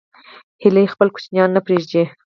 هیلۍ خپل کوچنیان نه پرېږدي